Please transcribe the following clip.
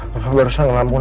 papa barusan ngelamun